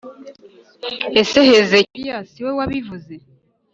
Ese Hezekiya si we wabivuze